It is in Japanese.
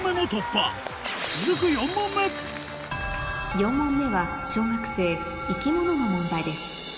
４問目は小学生生き物の問題です